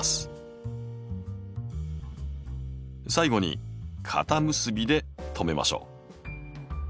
最後に固結びで留めましょう。